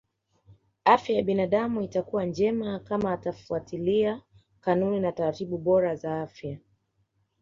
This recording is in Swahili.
Afya ya binadamu itakuwa njema kama atafuatilia kanuni na taratibu bora za afya